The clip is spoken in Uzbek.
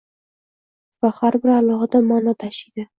va har biri alohida ma’no tashiydi!